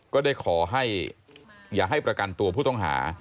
ก็ได้ขอให้อย่าให้ประกันตัวผู้ต้องหา